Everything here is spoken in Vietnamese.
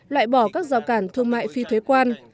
loại bỏ các rào cản thương mại phi thuế quan